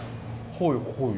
はいはい。